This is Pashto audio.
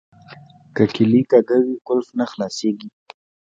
که کیلي کږه وي قلف نه خلاصیږي.